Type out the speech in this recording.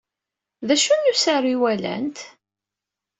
D acu n usaru ay walant?